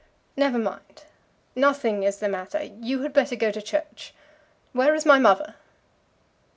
"Never mind. Nothing is the matter. You had better go to church. Where is my mother?"